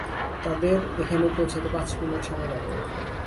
তাদের এখানে পৌঁছাতে পাঁচ মিনিট সময় লাগবে।